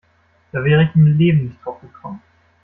Da wäre ich im Leben nicht drauf gekommen.